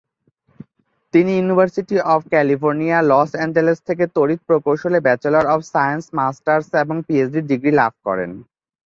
তিনি university of California, Los Angeles থেকে তড়িৎ প্রকৌশলে ব্যাচেলর অব সায়েন্স, মাস্টার্স এবং পিএইচডি ডিগ্রি লাভ করেন।